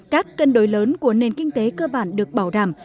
các cân đối lớn của nền kinh tế cơ bản được bảo đảm